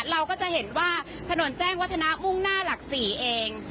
เราก็จะเห็นว่าถนนแจ้งวัฒนะมุ่งหน้าหลัก๔เอง